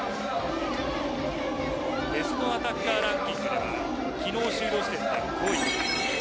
ベストアタッカーランキングでは昨日終了時点で５位。